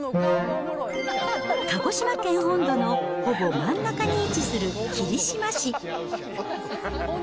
鹿児島県本土のほぼ真ん中に位置する霧島市。